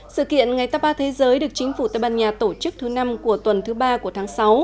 sự kiện ngày tapa thế giới được chính phủ tây ban nha tổ chức thứ năm của tuần thứ ba của tháng sáu